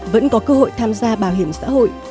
vẫn có cơ hội tham gia bảo hiểm xã hội